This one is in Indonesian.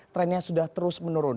trendnya sudah terus menurun